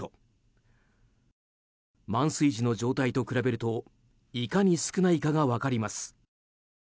満水時の状態と比べるといかに少ないかが分かります。